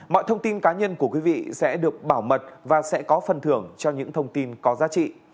mọi thông tin cá nhân của quý vị sẽ được bảo mật và sẽ có phần thưởng cho những thông tin có giá trị